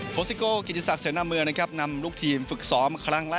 โฮซิโกกิจิศักดิ์เสนอเมืองนะครับนำลูกทีมฝึกซ้อมครั้งแรกนะครับ